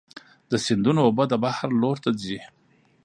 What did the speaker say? د سیندونو اوبه د بحر لور ته ځي.